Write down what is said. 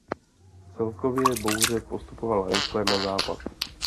Celkově bouře postupovala rychle na západ.